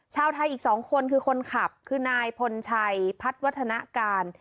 ชาวไทยอีก๒คนคือคนขับคือนายพลชัยพัฒนวัฒนาการ